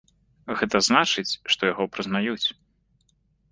Гэта значыць, што яго прызнаюць.